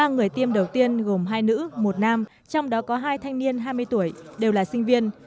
ba người tiêm đầu tiên gồm hai nữ một nam trong đó có hai thanh niên hai mươi tuổi đều là sinh viên